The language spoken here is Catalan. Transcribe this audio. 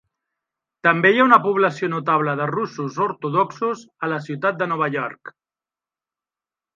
També hi ha una població notable de russos ortodoxos a la ciutat de Nova York.